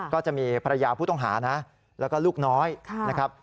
ก็จะมีภรรยาผู้ต้องหานะแล้วก็ลูกน้อยนะครับ